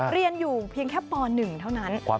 เรียนอยู่เพียงแค่ป๑เท่านั้น